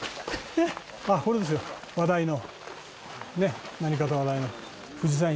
あっこれですよ話題の。